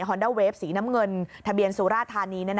อนด้าเวฟสีน้ำเงินทะเบียนสุราธานี